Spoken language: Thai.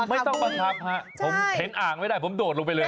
ไม่ต้องบังคับฮะผมเห็นอ่างไม่ได้ผมโดดลงไปเลย